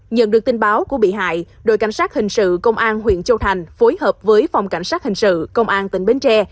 nhận được tin báo của bị hại đội cảnh sát hình sự công an huyện châu thành phối hợp với phòng cảnh sát hình sự công an tỉnh bến tre